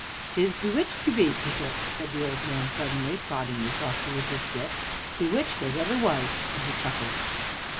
"'Tis bewitched you be, Peter!" said the old man suddenly, prodding me softly with his stick, "bewitched as ever was," and he chuckled.